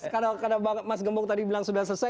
karena mas gembong tadi bilang sudah selesai